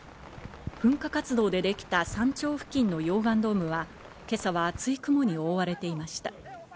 噴火活動でできた山頂付近の溶岩ドームは、今朝は厚い雲に覆われていました。